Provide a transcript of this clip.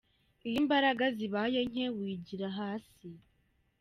Iyo imbaraga zibaye nke wigira hasi .